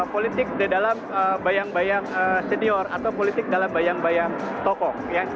politik di dalam bayang bayang senior atau politik dalam bayang bayang tokoh